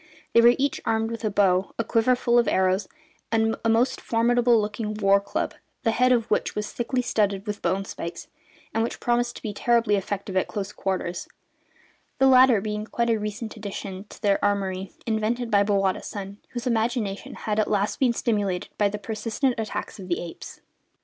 They were each armed with a bow, a quiver full of arrows, and a most formidable looking war club, the head of which was thickly studded with bone spikes, and which promised to be terribly effective at close quarters the latter being a quite recent addition to their armoury invented by Bowata's son, whose imagination had at last been stimulated by the persistent attacks of the apes.